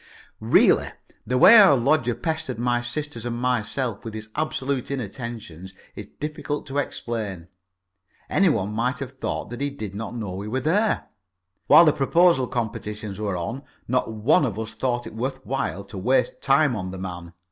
Really, the way our lodger pestered my sisters and myself with his absolute inattentions is difficult to explain. Anyone might have thought that he did not know we were there. While the Proposal Competitions were on, not one of us thought it worth while to waste time on the man.